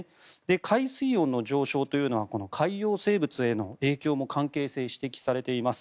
海水温の上昇というのは海洋生物への影響も関係性、指摘されています。